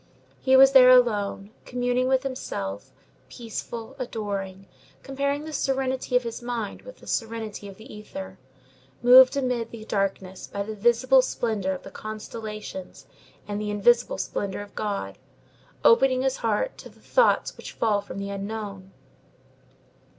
He was there alone, communing with himself, peaceful, adoring, comparing the serenity of his heart with the serenity of the ether, moved amid the darkness by the visible splendor of the constellations and the invisible splendor of God, opening his heart to the thoughts which fall from the Unknown.